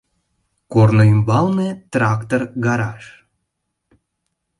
Корно ӱмбалне трактор гараж.